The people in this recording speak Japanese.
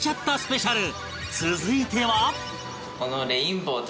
続いては